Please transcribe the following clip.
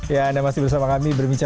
ya anda masih bersama kami